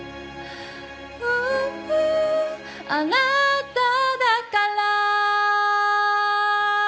「ウあなただから」